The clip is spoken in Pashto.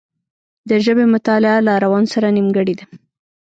د ژبې مطالعه له روان سره نېمګړې ده